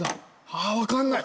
ああ分かんない。